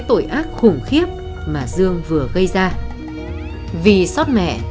tiếng la mắng quát nản cho của bố mẹ